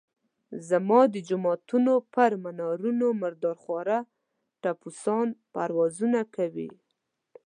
زما د جوماتونو پر منارونو مردار خواره ټپوسان پروازونه کوي.